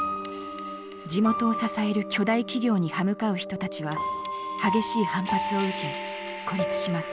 地元を支える巨大企業に刃向かう人たちは激しい反発を受け孤立します。